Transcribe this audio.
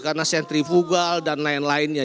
karena sentrifugal dan lain lainnya